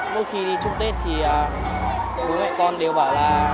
mỗi khi đi chung tết thì bố mẹ con đều bảo là